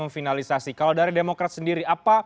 finalisasi kalau dari demokrat sendiri